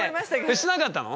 しなかったの？